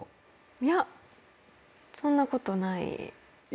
いやそんなことないです。